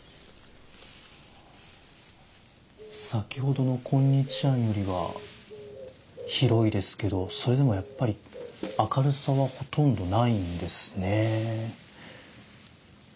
先ほどの今日庵よりは広いですけどそれでもやっぱり明るさはほとんどないんですね。